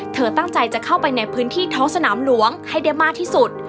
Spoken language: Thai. เธอตั้งใจจะเข้าไปในพื้นที่ท้องสนามหลวงให้ได้มากที่สุด